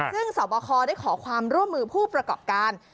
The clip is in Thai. ซึ่งสอบคอได้ขอความร่วมมือผู้ประกอบการ